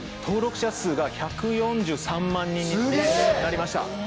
登録者数が１４３万人になりました